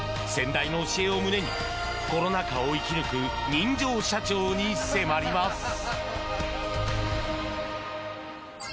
先代の教えを胸にコロナ禍を生き抜く人情社長に迫ります。